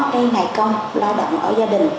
đi ngày công lao động ở gia đình